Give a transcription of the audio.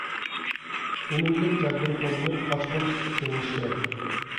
ئۈنۈملۈك تەدبىر قوللىنىپ قاچقۇن تۇتۇپ كېلىنىشى كېرەك.